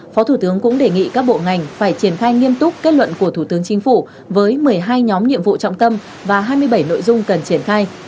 phó thủ tướng cũng đề nghị các bộ ngành phải triển khai nghiêm túc kết luận của thủ tướng chính phủ với một mươi hai nhóm nhiệm vụ trọng tâm và hai mươi bảy nội dung cần triển khai